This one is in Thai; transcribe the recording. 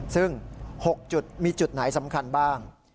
ซึ่ง๖จุดมีจุดไหนสำคัญบ้าง